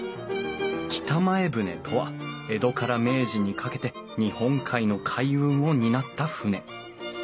北前船とは江戸から明治にかけて日本海の海運を担った船。